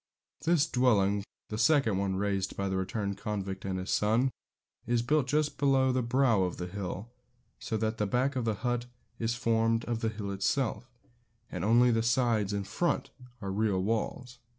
This dwelling, the second one raised by the returned convict and his son, is built just below the brow of the hill, so that the back of the hut is formed of the hill itself, and only the sides and front are real walls.